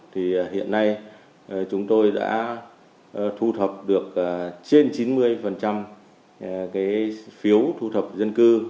thì hiện nay chúng tôi đã thu thập được trên chín mươi cái phiếu thu thập dân cư